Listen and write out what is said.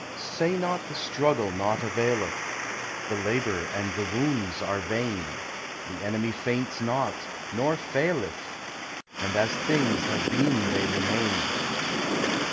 Say not the struggle nought availeth, The labor and the wounds are vain, The enemy faints not, nor faileth, And as things have been they remain.